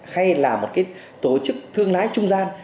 hay là một cái tổ chức thương lái trung gian